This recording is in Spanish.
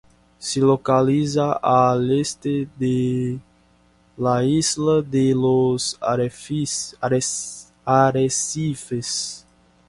Se localiza al este de la isla de los Arrecifes.